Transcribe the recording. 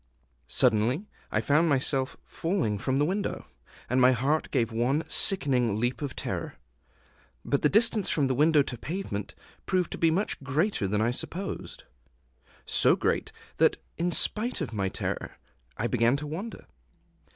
Suddenly I found myself falling from the window; and my heart gave one sickening leap of terror. But the distance from window to pavement proved to be much greater than I supposed, so great that, in spite of my fear, I began to wonder.